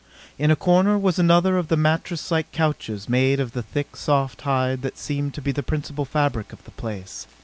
In a corner was another of the mattresslike couches made of the thick, soft hide that seemed to be the principal fabric of the place.